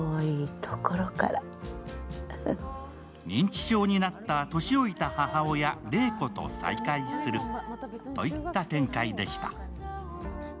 認知症になった年老いた母親・礼子と再会するといった展開でした。